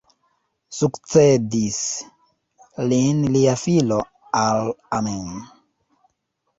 Sukcedis lin lia filo Al-Amin.